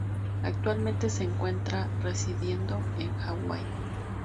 Actualmente se encuentra residiendo en Hawái.